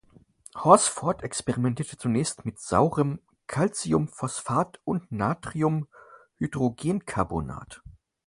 Horsford experimentierte zunächst mit saurem Calciumphosphat und Natriumhydrogencarbonat.